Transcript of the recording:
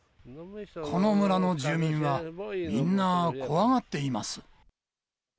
この村の住民は、みんな怖がっています。